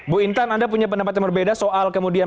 bu intan anda punya pendapat yang berbeda soal kemudian